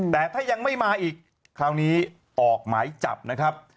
แต่ถ้ายังไม่มาอีกคราวนี้ออกหมายจับนะครับ